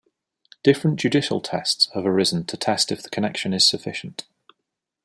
Different judicial tests have arisen to test if the connection is sufficient.